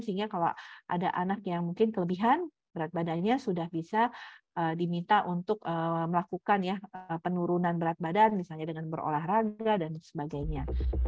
sehingga kalau ada anak yang mungkin kelebihan berat badannya sudah bisa diminta untuk melakukan ya penurunan berat badan misalnya dengan berolahraga dan sebagainya